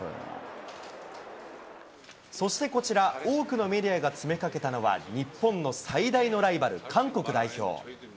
そしてこちら、多くのメディアが詰めかけたのは、日本の最大のライバル、韓国代表。